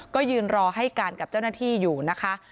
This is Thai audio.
ก็ยืนรอให้การกับเจ้าหน้าที่อยู่นะคะ